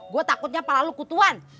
gue takutnya kepala lu kutuan